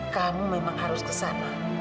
kamu memang harus kesana